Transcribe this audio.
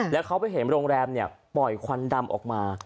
แล้วเขาไปเห็นโรงแรมปล่อยควันดำออกมา